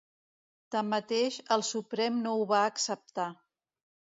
Tanmateix, el Suprem no ho va acceptar.